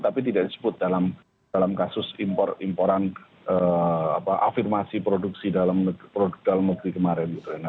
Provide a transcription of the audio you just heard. tapi tidak disebut dalam kasus imporan afirmasi produksi produk dalam negeri kemarin